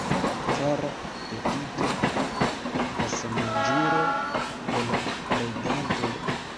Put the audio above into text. Kara Pepito, la samaĝulo de la leganto!